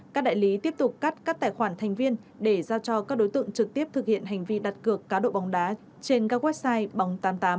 các đại lý tiếp tục cắt các tài khoản thành viên để giao cho các đối tượng trực tiếp thực hiện hành vi đặt cược cá độ bóng đá trên các website bóng tám mươi tám